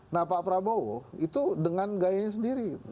nah pak prabowo itu dengan gayanya sendiri